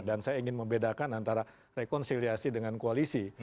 dan saya ingin membedakan antara rekonsiliasi dengan koalisi